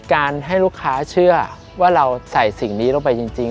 การให้ลูกค้าเชื่อว่าเราใส่สิ่งนี้ลงไปจริง